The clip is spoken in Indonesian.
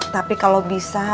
tapi kalau bisa